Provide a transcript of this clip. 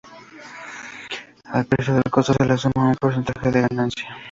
Al precio del costo se le suma un porcentaje de ganancia.